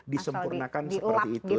disempurnakan seperti itu